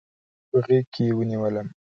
په غېږ کې ونیولم.